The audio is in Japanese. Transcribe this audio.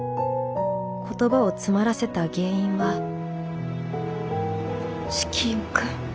言葉を詰まらせた原因は色欲。